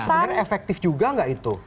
nah ini sebenarnya efektif juga nggak itu